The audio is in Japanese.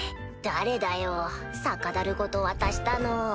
誰だよ酒だるごと渡したの。